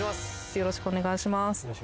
よろしくお願いします。